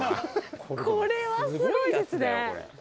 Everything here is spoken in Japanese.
これはすごいですね。